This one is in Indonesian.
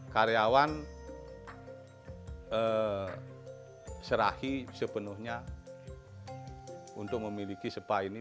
karyawan serahi sepenuhnya untuk memiliki spa ini